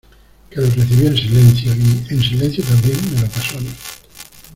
que lo recibió en silencio, y , en silencio también , me lo pasó a mí.